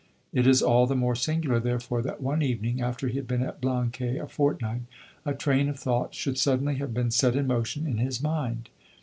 It is all the more singular, therefore, that one evening, after he had been at Blanquais a fortnight, a train of thought should suddenly have been set in motion in his mind.